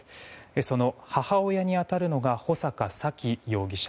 その母親に当たるのが穂坂沙喜容疑者。